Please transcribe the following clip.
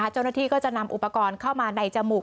เจ้าหน้าที่ก็จะนำอุปกรณ์เข้ามาในจมูก